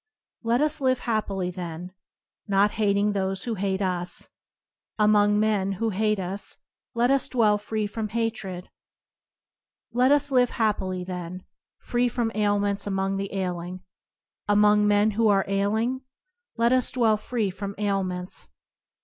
"Let us live happily then y not hating those who hate us! Among men who hate us let us dwell free from hatred! [ 36 ] TBoDp anD €trcum0tance " Let us live happily then, free from ailments among the ailing! Among men who are ailing let us dwell free from ailments!